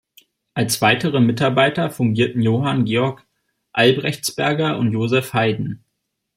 Als weitere Mitarbeiter fungierten Johann Georg Albrechtsberger und Joseph Haydn.